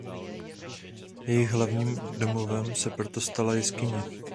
Jejich hlavním domovem se proto stala jeskyně.